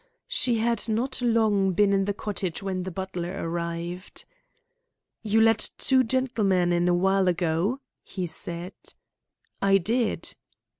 She had not long been in the cottage when the butler arrived. "You let two gentlemen in a while ago?" he said. "I did."